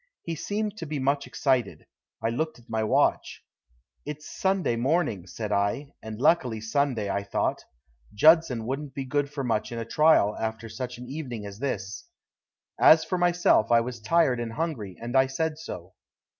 He seemed to be much excited. I looked at my watch. "It's Sunday morning," said I, and luckily Sunday, I thought. Judson wouldn't be good for much in a trial after such an evening as this. As for myself, I was tired and hungry, and I said so.